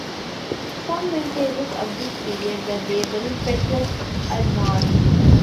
Some vintages of this period were labelled Petrus-Arnaud.